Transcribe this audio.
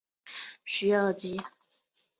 叙尔吉。